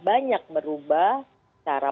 banyak merubah cara